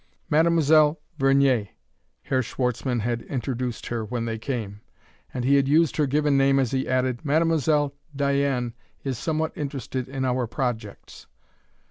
"Mademoiselle Vernier," Herr Schwartzmann had introduced her when they came. And he had used her given name as he added: "Mademoiselle Diane is somewhat interested in our projects."